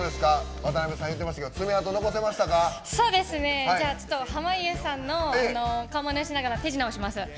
渡辺さん言ってましたけどちょっと濱家さんの顔まねしながら手品をします。